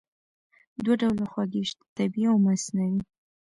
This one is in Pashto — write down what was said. دوه ډوله خوږې شته: طبیعي او مصنوعي.